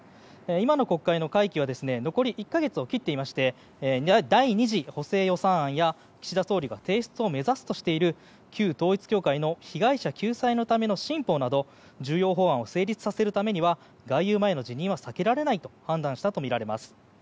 今の国会の会期は残り１か月を切っていまして第２次補正予算案や、岸田総理が提出を目指すとしている旧統一教会の被害者救済のための新法など重要法案を成立させるためには外遊前の辞任は避けられないと判断したとみられます。